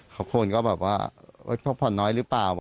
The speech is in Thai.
เขาคงก็แบบว่าพอร์ตน้อยหรือเปล่า